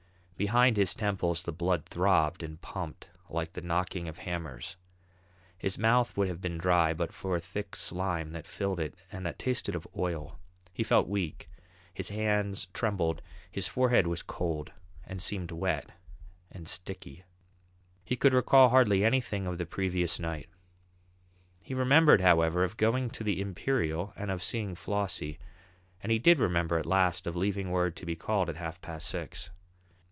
Behind his temples the blood throbbed and pumped like the knocking of hammers. His mouth would have been dry but for a thick slime that filled it and that tasted of oil. He felt weak, his hands trembled, his forehead was cold and seemed wet and sticky. He could recall hardly anything of the previous night. He remembered, however, of going to the Imperial and of seeing Flossie, and he did remember at last of leaving word to be called at half past six.